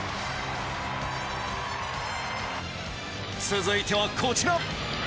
続いてはこちら。